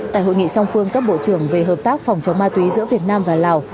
tại hội nghị song phương các bộ trưởng về hợp tác phòng chống ma túy giữa việt nam và lào